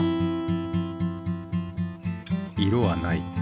色は無い。